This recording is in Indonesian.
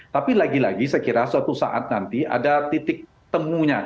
tapi lagi lagi saya kira suatu saat nanti ada titik temunya